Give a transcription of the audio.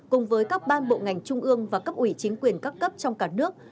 cùng với các ban bộ ngành trung ương và cấp ủy chính quyền các cấp trong cả nước